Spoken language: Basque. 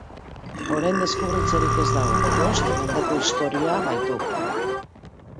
Orain deskubritzerik ez dago, bost mendeko historia baitu.